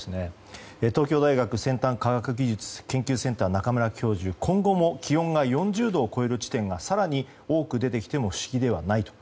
東京大学先端科学技術研究センター中村教授は、今後も気温が４０度を超える地点が更に多く出てきても不思議ではないと。